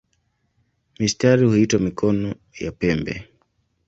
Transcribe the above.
Mistari huitwa "mikono" ya pembe.